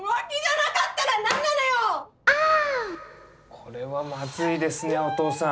これはまずいですねお父さん。